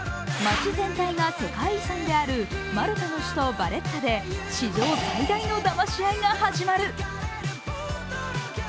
街全体が世界遺産であるマルタの首都、ヴァレッタで、史上最大のだまし合いが始まる。